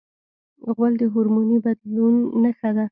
غول د هورموني بدلون نښه ده.